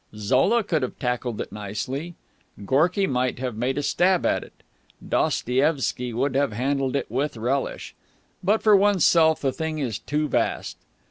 Zola could have tackled it nicely. Gorky might have made a stab at it. Dostoevsky would have handled it with relish. But for oneself the thing is too vast.